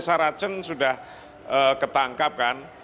saracen sudah ketangkapan